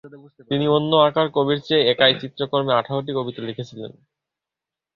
তিনি অন্য আঁকার কবির চেয়ে একাই চিত্রকর্মে আঠারোটি কবিতা লিখেছিলেন।